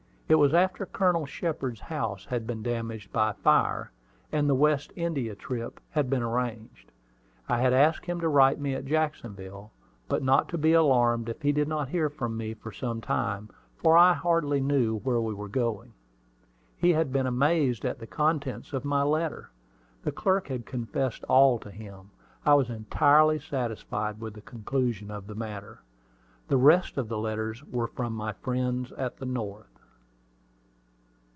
It was after Colonel Shepard's house had been damaged by fire, and the West India trip had been arranged. I had asked him to write me at Jacksonville, but not to be alarmed if he did not hear from me for some time, for I hardly knew where we were going. He had been amazed at the contents of my letter. The clerk had confessed all to him. I was entirely satisfied with the conclusion of the matter. The rest of the letters were from my friends at the North.